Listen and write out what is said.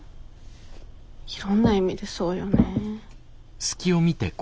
いろんな意味でそうよね。